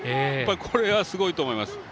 これはすごいと思います